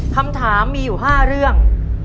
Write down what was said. คำถามมีอยู่๕เรื่อง